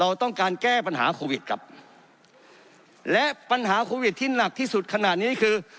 เราต้องการแก้ปัญหาโควิดครับและปัญหาโควิดที่หนักที่สุดขนาดนี้คือ